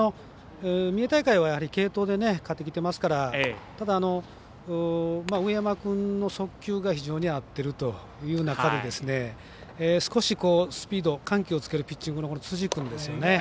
三重大会は継投で勝ってきていますから上山君の速球が非常に合ってるという中で少しスピード緩急をつける投球ですよね。